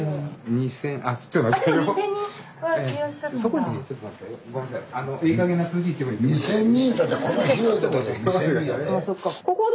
２，０００人いうたってこの広いとこで２，０００人やで。